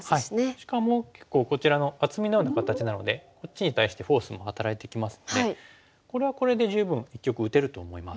しかも結構こちらの厚みのような形なのでこっちに対してフォースも働いてきますのでこれはこれで十分一局打てると思います。